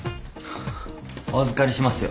お預かりしますよ。